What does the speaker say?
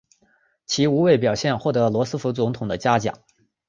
其无畏表现获得了罗斯福总统的嘉奖。